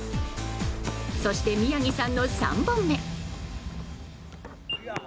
そして、宮城さんの３本目。